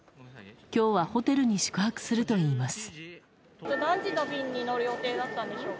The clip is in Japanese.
今日はホテルに宿泊するといいます。